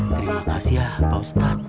terima kasih ya pak ustadz